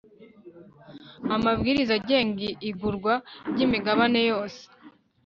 amabwiriza agenga igurwa ry imigabane yose